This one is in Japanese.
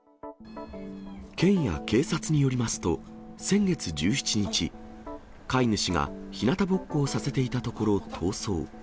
県や警察によりますと、先月１７日、飼い主がひなたぼっこをさせていたところ、逃走。